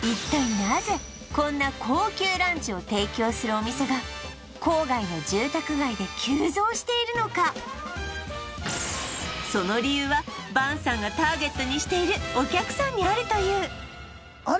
なぜこんな高級ランチを提供するお店が郊外の住宅街で急増しているのかその理由はＶＡＮＳＡＮがターゲットにしているお客さんにあるというあれ？